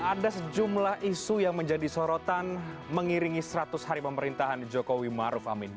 ada sejumlah isu yang menjadi sorotan mengiringi seratus hari pemerintahan jokowi maruf amin